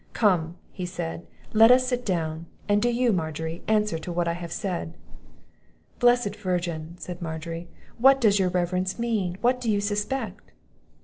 "Come," said he, "let us sit down; and do you, Margery, answer to what I have said." "Blessed Virgin!" said Margery, "what does your reverence mean? what do you suspect?"